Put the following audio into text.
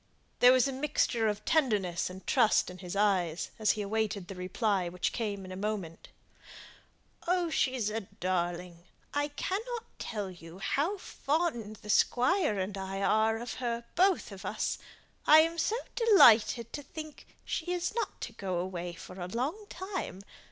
There was a mixture of tenderness and trust in his eyes, as he awaited the reply, which came in a moment. "She's a darling. I cannot tell you how fond the Squire and I are of her; both of us. I am so delighted to think she isn't to go away for a long time.